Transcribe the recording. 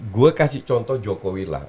gue kasih contoh jokowi lah